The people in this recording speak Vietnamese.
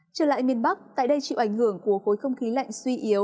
trở lại miền bắc tại đây chịu ảnh hưởng của khối không khí lạnh suy yếu